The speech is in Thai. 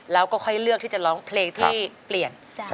แล้วก็ค่อยเลือกที่จะร้องเพลงที่เปลี่ยน